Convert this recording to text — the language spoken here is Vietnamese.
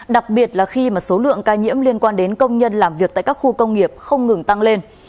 đặc biệt là khi mà số lượng ca nhiễm liên quan đến công nhân làm việc tại các khu công nghiệp không ngừng tăng lên